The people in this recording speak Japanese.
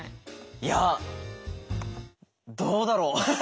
いやどうだろう。